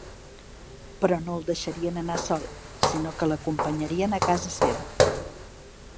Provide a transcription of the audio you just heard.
Però no el deixarien anar sol, sinó que l'acompanyarien a casa seva.